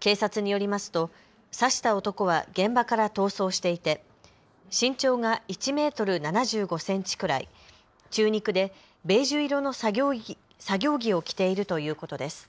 警察によりますと刺した男は現場から逃走していて身長が１メートル７５センチくらい、中肉でベージュ色の作業着を着ているということです。